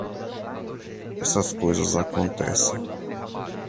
Essas coisas acontecem.